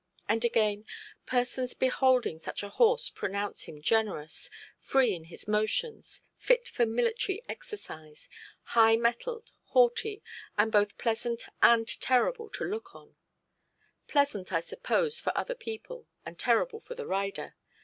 And again, 'persons beholding such a horse pronounce him generous, free in his motions, fit for military exercise, high–mettled, haughty, and both pleasant and terrible to look on'. Pleasant, I suppose, for other people, and terrible for the rider.